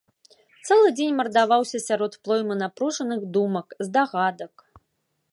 Цэлы дзень мардаваўся сярод плоймы напружаных думак, здагадак.